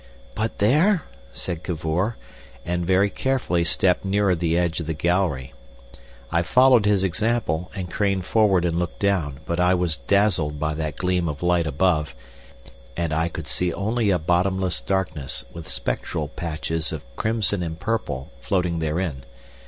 "But there?" said Cavor, and very carefully stepped nearer the edge of the gallery. I followed his example, and craned forward and looked down, but I was dazzled by that gleam of light above, and I could see only a bottomless darkness with spectral patches of crimson and purple floating therein.